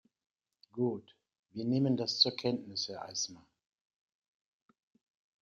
Gut, wir nehmen das zur Kenntnis, Herr Eisma.